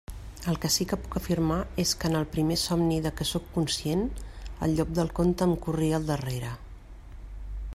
El que sí que puc afirmar és que en el primer somni de què sóc conscient, el llop del conte em corria al darrere.